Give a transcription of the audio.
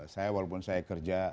saya walaupun saya kerja